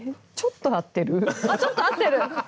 あっちょっと合ってる⁉アハハ！